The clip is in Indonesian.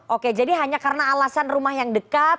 oke jadi hanya karena alasan rumah yang dekat